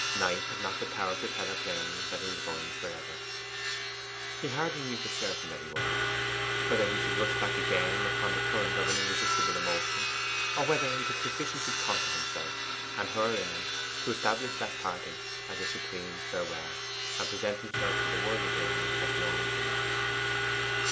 Knight had not the power to tell her plainly that he was going for ever; he hardly knew for certain that he was: whether he should rush back again upon the current of an irresistible emotion, or whether he could sufficiently conquer himself, and her in him, to establish that parting as a supreme farewell, and present himself to the world again as no woman's.